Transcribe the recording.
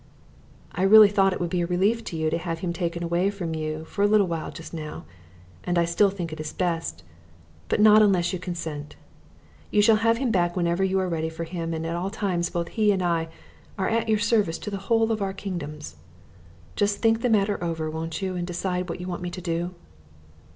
I really thought it would be a relief to you to have him taken away from you for a little while just now, and I still think it is best; but not unless you consent. You shall have him back whenever you are ready for him, and at all times both he and I are at your service to the whole of our kingdoms. Just think the matter over, won't you, and decide what you want me to do?"